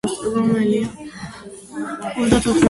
დაფარულია ტყით და დოლრის მეოთხეული მყინვარის მორენებით.